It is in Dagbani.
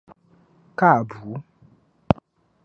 Ka Abu?